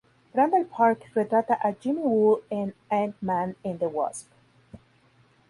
Randall Park retrata a Jimmy Woo en "Ant-Man and the Wasp".